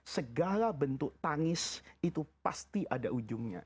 segala bentuk tangis itu pasti ada ujungnya